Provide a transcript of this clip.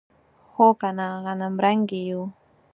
هو کنه غنمرنګي یو.